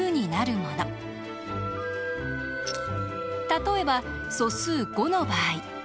例えば素数５の場合。